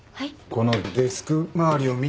このデスク周りを見て。